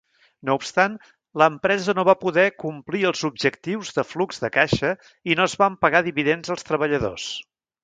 No obstant, l'empresa no va poder complir els objectius de flux de caixa i no es van pagar dividends als treballadors.